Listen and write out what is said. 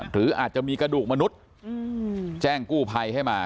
หรืออาจจะมีกระดูกมนุษย์แจ้งกู้ภัยให้มา